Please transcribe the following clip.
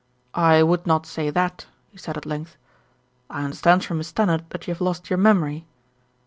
"I would not say that," he said at length. "I un derstand from Miss Stannard that you have lost your memory."